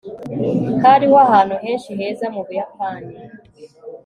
hariho ahantu henshi heza mu buyapani